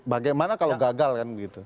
bagaimana kalau gagal kan begitu